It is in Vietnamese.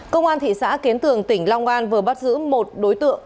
công an thị xã kiến tường tỉnh long an vừa bắt giữ một đối tượng